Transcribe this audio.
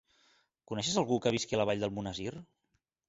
Coneixes algú que visqui a la Vall d'Almonesir?